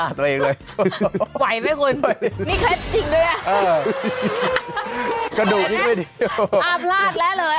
า้พลาดแล้วเลย